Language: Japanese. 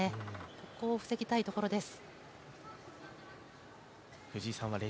そこを防ぎたいところです。